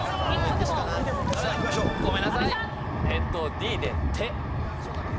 Ｄで手。